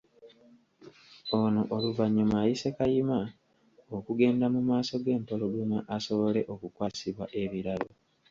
Ono oluvannyuma ayise Kayima okugenda mu maaso g'Empologoma asobole okukwasibwa ebirabo.